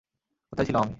কোথায় ছিলাম আমি?